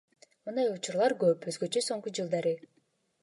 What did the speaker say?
Мындай учурлар көп, өзгөчө соңку жылдары.